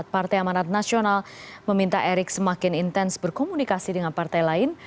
partai amanat nasional meminta erick semakin intens berkomunikasi dengan partai lain